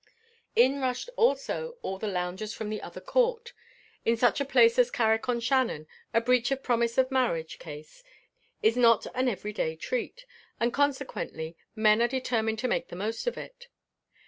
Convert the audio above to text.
In rushed also all the loungers from the other court. In such a place as Carrick on Shannon, a breach of promise of marriage case is not an every day treat, and, consequently, men are determined to make the most of it.